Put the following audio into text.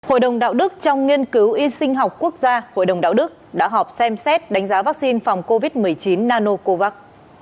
hội đồng đạo đức trong nghiên cứu y sinh học quốc gia hội đồng đạo đức đã họp xem xét đánh giá vaccine phòng covid một mươi chín nanocovax